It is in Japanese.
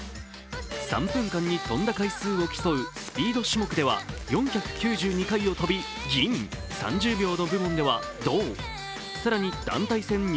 ３分間に跳んだ回数を競うスピード種目では４９２回を跳び銀、３０秒の部門では銅、更に団体戦２